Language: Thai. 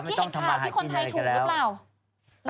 ที่เห็นข่าวที่คนไทยถูกหรือเปล่า